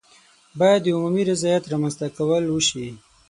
باید د عمومي رضایت رامنځته کول وشي.